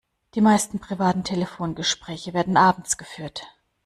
Die meisten privaten Telefongespräche werden abends geführt.